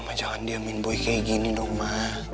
mama jangan diemin gue kayak gini dong ma